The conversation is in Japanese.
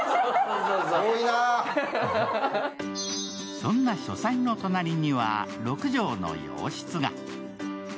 そんな書斎の隣には、６畳の洋室が。